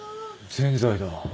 ぜんざいだ。